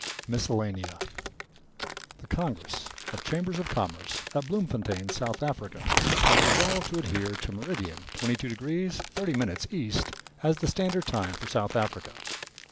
v. MISCELLANEA The Congress of Chambers of Commerce at Bloemfontein, South Africa, has resolved to adhere to meridian 22° ."0' east as the standard time for South Africa.